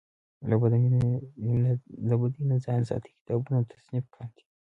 له بدۍ نه ځان ساتي کتابونه تصنیف کاندي.